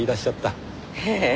ええ。